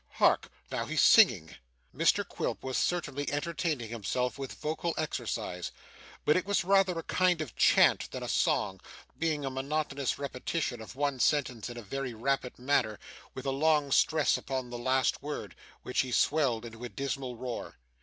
Hark! Now he's singing!' Mr Quilp was certainly entertaining himself with vocal exercise, but it was rather a kind of chant than a song; being a monotonous repetition of one sentence in a very rapid manner, with a long stress upon the last word, which he swelled into a dismal roar.